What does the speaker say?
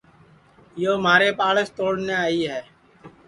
یو مھاریپ آڑس توڑنے آئی ہے